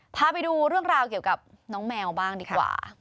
พาไปดูเรื่องราวเกี่ยวกับน้องแมวบ้างดีกว่า